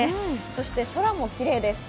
そして空もきれいです。